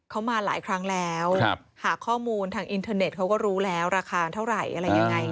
เขามาหลายครั้งแล้วหาข้อมูลทางอินเทอร์เน็ตเขาก็รู้แล้วราคาเท่าไหร่อะไรยังไง